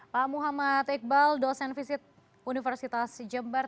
pak muhammad iqbal dosen visit universitas jember